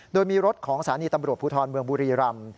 โดยมีรถของสถานีตำรวจภูทรเมืองบุรีรำ